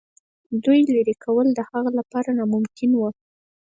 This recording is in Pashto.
دوی لیري کول د هغه لپاره ناممکن وه.